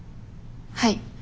はい。